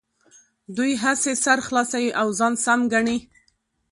دوی هسې سر خلاصوي او ځان سم ګڼي.